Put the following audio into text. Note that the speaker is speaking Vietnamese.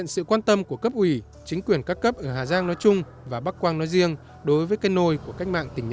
sự quan tâm của cấp ủy chính quyền các cấp ở hà giang nói chung và bắc quang nói riêng đối với cây nồi của cách mạng tỉnh nhà